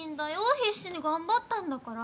必死に頑張ったんだから。